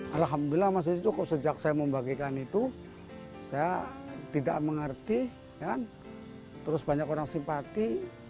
alhamdulillah masih cukup sejak saya membagikan itu saya tidak mengerti terus banyak orang simpati